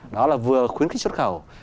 đó là vừa khuyến khích xuất khẩu